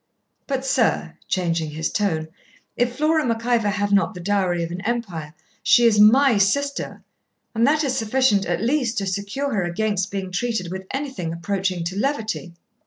But, sir,' changing his tone, 'if Flora Mac Ivor have not the dowry of an empire, she is MY sister; and that is sufficient at least to secure her against being treated with anything approaching to levity.'